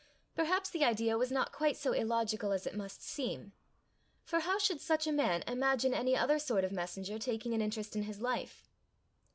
Perhaps the idea was not quite so illogical as it must seem; for how should such a man imagine any other sort of messenger taking an interest in his life?